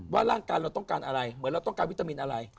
ว่าร่างกายเราต้องการอะไรเหมือนเราต้องการวิตามินอะไร